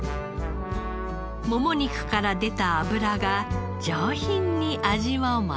もも肉から出た脂が上品に味をまとめ上げます。